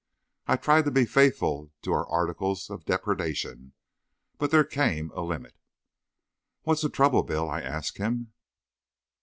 I tried to be faithful to our articles of depredation; but there came a limit." "What's the trouble, Bill?" I asks him.